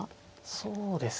そうですね